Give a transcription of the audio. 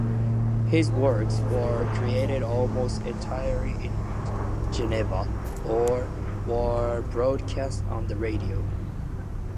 His works were created almost entirely in Geneva or were broadcast on the radio.